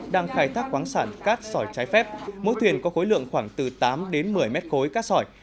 đang khai thác khoáng sản cát sỏi trái phép mỗi thuyền có khối lượng khoảng từ tám đến một mươi mét khối cát sỏi